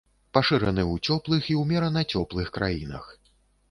Пашыраны ў цёплых і ўмерана цёплых краінах.